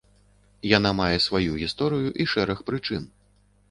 Яна мае сваю гісторыю і шэраг прычын.